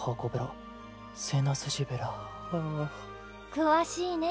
詳しいね。